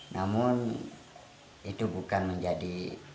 namun itu bukan menjadi